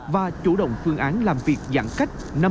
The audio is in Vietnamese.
và chủ động phương án làm việc giãn cách năm mươi ca kiếp sản xuất